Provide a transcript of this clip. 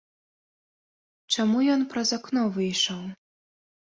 Чаму ён праз акно выйшаў?